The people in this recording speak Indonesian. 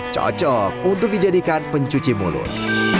cocok untuk dijadikan pencuci mulut